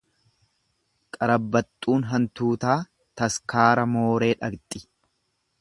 Qarabbaxxuun hantuutaa taskaara mooree dhaqxi.